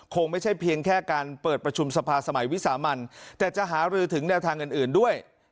คงไม่ใช่เพียงแค่การเปิดประชุมสภาสมัยวิสามันแต่จะหารือถึงแนวทางอื่นด้วย